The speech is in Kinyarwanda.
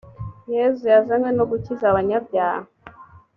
yezu yazanywe no gukiza abanyabyaha